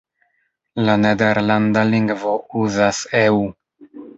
La Nederlanda lingvo uzas "eu".